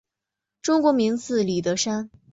中国名字李德山。